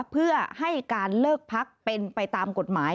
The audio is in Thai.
เพื่อให้การเลิกพักเป็นไปตามกฎหมาย